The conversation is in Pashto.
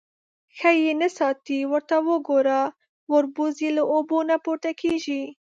_ښه يې نه ساتې. ورته وګوره، وربوز يې له اوبو نه پورته کېږي.